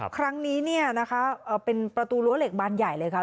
ครั้งนี้เนี่ยนะคะเป็นประตูรั้วเหล็กบานใหญ่เลยค่ะ